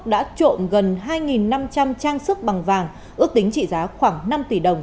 đã trộm gần hai năm trăm linh trang sức bằng vàng ước tính trị giá khoảng năm tỷ đồng